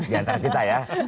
diantara kita ya